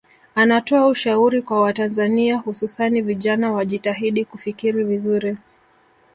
Anatoa ushauri kwa Watanzania hususani vijana wajitahidi kufikiri vizuri